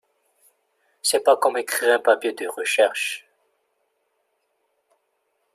C'est pas comme écrire un papier de recherche.